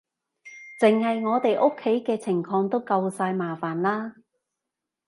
淨係我哋屋企嘅情況都夠晒麻煩喇